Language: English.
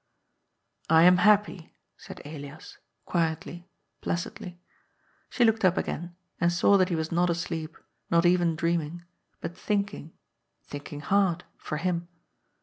" I am happy," said Elias, quietly, placidly. She looked up again, and saw that he was not asleep, not even dream ing, but thinking, thinking hard, for him.